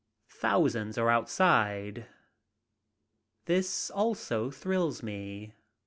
Thousands are outside. This also thrills me.